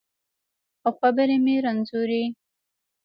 او خبرې مې رنځورې